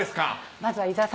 まずは伊沢さん